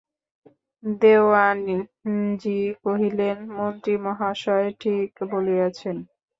দেওয়ানজি কহিলেন, মন্ত্রীমহাশয় ঠিক বলিয়াছেন।